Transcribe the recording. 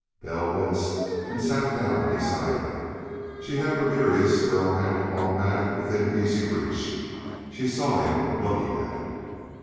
Bell winced, and sat down beside her. She had Ribiera's pearl handled automatic within easy reach. She saw him looking at it.